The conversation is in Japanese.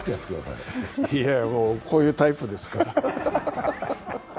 いや、こういうタイプですから。